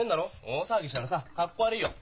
大騒ぎしたらさかっこ悪いよ。